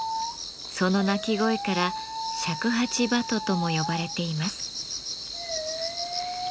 その鳴き声から「尺八バト」とも呼ばれています。